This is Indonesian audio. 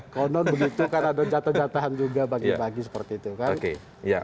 konon begitu kan ada jatah jatahan juga bagi bagi seperti itu kan